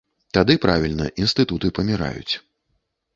Тады правільна, інстытуты паміраюць.